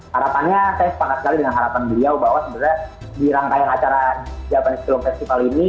harapannya saya sepakat sekali dengan harapan beliau bahwa sebenarnya di rangkaian acara japanese film festival ini